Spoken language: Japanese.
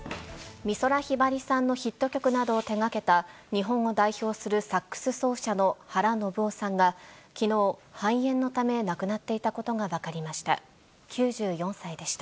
美空ひばりさんのヒット曲などを手がけた、日本を代表するサックス奏者の原信夫さんが、きのう、肺炎のため亡くなっていたことが分かりました。